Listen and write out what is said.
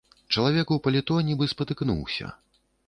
Чалавек у паліто нібы спатыкнуўся.